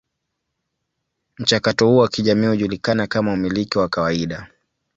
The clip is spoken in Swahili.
Mchakato huu wa kijamii hujulikana kama umiliki wa kawaida.